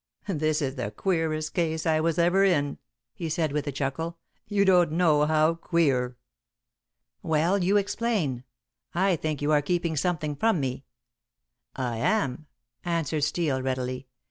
"This is the queerest case I was ever in," he said, with a chuckle; "you don't know how queer." "Well, you explain. I think you are keeping something from me." "I am," answered Steel readily.